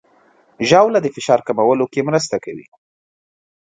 ژاوله د فشار کمولو کې مرسته کوي.